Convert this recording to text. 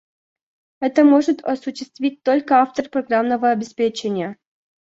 Это может осуществить только автор программного обеспечения